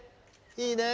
いいね。